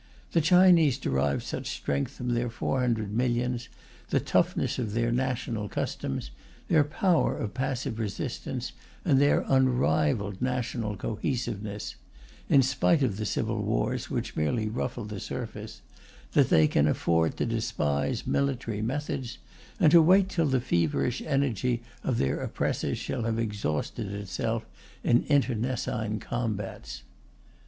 The Chinese derive such strength from their four hundred millions, the toughness of their national customs, their power of passive resistance, and their unrivalled national cohesiveness in spite of the civil wars, which merely ruffle the surface that they can afford to despise military methods, and to wait till the feverish energy of their oppressors shall have exhausted itself in internecine combats.